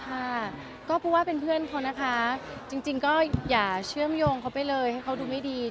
ค่ะก็เพราะว่าเป็นเพื่อนเขานะคะจริงก็อย่าเชื่อมโยงเขาไปเลยให้เขาดูไม่ดี